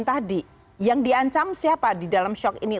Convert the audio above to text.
dan tadi yang diancam siapa di dalam shock ini